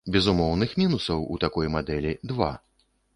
Безумоўных мінусаў у такой мадэлі два.